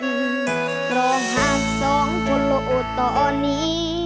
หล่องหักสองคนโลโตะตอนนี้